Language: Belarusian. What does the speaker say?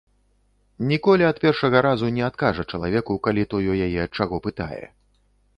Ніколі ад першага разу не адкажа чалавеку, калі той у яе чаго пытае.